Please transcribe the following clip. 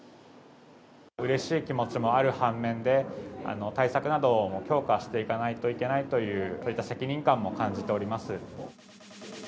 うれしい気持ちもある半面で、対策なども強化していかないといけないという、そういった責任感も感じております。